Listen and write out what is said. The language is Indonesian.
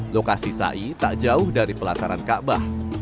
lokasi syai tak jauh dari pelataran kaabah